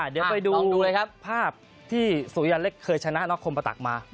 เดี๋ยวไปดูเลยครับภาพที่สุริยันเล็กเคยชนะน็อกคมประตักมา